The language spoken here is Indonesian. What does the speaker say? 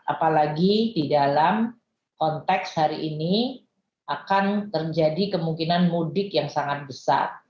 apalagi di dalam konteks hari ini akan terjadi kemungkinan mudik yang sangat besar